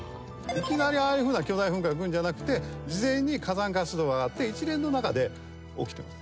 いきなりああいうふうな巨大噴火がくるんじゃなくて事前に火山活動があって一連の中で起きてます。